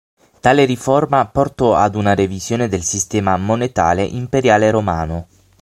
Tale riforma portò ad una revisione del sistema monetale imperiale romano.